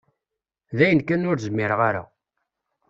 Dayen kan ur zmireɣ ara.